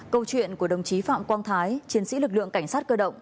câu chuyện của đồng chí phạm quang thái chiến sĩ lực lượng cảnh sát cơ động